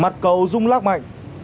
mặt cầu rung lắc mạnh